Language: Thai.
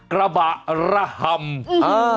กระบะรห่ำ